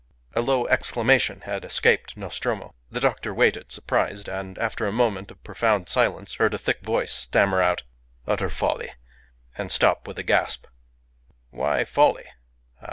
A low exclamation had escaped Nostromo. The doctor waited, surprised, and after a moment of profound silence, heard a thick voice stammer out, "Utter folly," and stop with a gasp. "Why folly?"